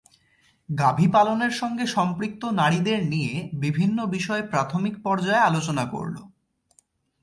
গাভি পালনের সঙ্গে সম্পৃক্ত নারীদের নিয়ে বিভিন্ন বিষয়ে প্রাথমিক পর্যায়ে আলোচনা করল।